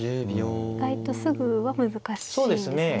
意外とすぐは難しいんですね。